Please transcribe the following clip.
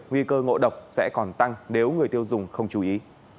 nguy cơ ngộ độc sẽ còn tăng nếu người tiêu dùng không chú ý